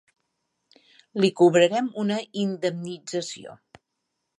Li cobrarem una indemnització.